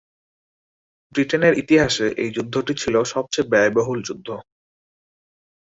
ব্রিটেনের ইতিহাসে এই যুদ্ধটি ছিল সবচেয়ে ব্যয়বহুল যুদ্ধ।